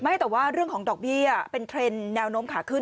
แต่ว่าเรื่องของดอกเบี้ยเป็นเทรนด์แนวโน้มขาขึ้น